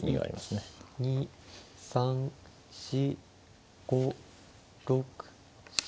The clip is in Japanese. ２３４５６７。